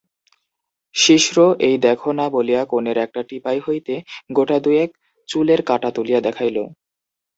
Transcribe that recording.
শ্রীশ এই দেখো-না বলিয়া কোণের একটা টিপাই হইতে গোটাদুয়েক চুলের কাঁটা তুলিয়া দেখাইল।